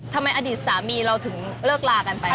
ทำไมอดีตสามีเราถึงเลิกลากันไปป่ะ